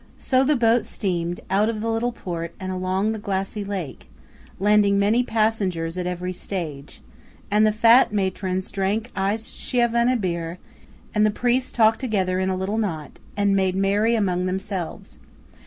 So the boat steamed out of the little port and along the glassy lake, landing many passengers at every stage; and the fat matrons drank iced Chiavenna beer; and the priests talked together in a little knot, and made merry among themselves.